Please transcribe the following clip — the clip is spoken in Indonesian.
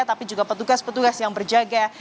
tapi juga petugas petugas yang berjaga